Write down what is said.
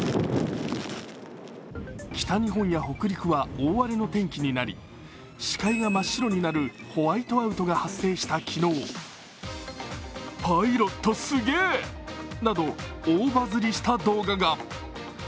北日本や北陸は大荒れの天気になり、視界が真っ白になるホワイトアウトが発生した昨日、「パイロットすげぇ」など大バズりした動画が。